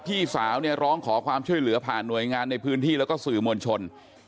พี่สาวเนี่ยร้องขอความช่วยเหลือผ่านหน่วยงานในพื้นที่แล้วก็สื่อมวลชน